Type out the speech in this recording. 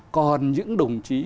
còn những đồng chí